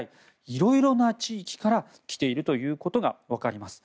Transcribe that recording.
色々な地域から来ているということがわかります。